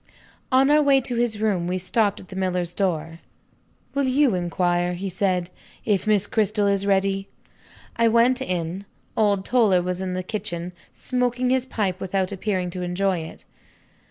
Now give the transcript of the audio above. On our way to his room we stopped at the miller's door. "Will you inquire," he said, "if Miss Cristel is ready?" I went in. Old Toller was in the kitchen, smoking his pipe without appearing to enjoy it.